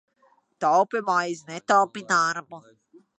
Taupi maizi, netaupi darbu!